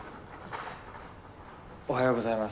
おはようございます。